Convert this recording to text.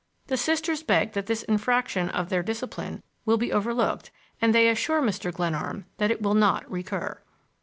The Sisters beg that this infraction of their discipline will be overlooked, and they assure Mr. Glenarm that it will not recur.